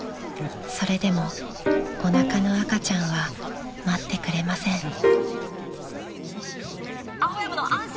［それでもおなかの赤ちゃんは待ってくれません］